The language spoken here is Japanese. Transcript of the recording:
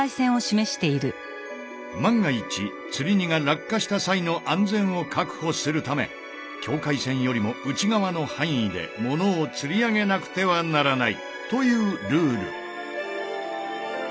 万が一つり荷が落下した際の安全を確保するため境界線よりも内側の範囲でものをつり上げなくてはならないというルール。